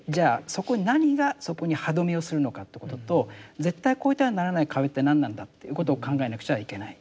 そこに何がそこに歯止めをするのかということと絶対超えてはならない壁って何なんだっていうことを考えなくちゃいけない。